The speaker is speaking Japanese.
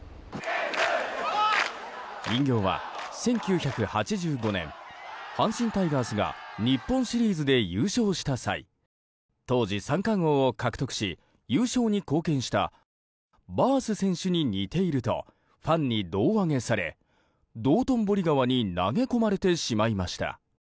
人形は１９８５年阪神タイガースが日本シリーズで優勝した際当時、三冠王を獲得し優勝に貢献したバース選手に似ているとファンに胴上げされ道頓堀川に投げ込まれてしまいました。